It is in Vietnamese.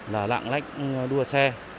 là lặng lách đua xe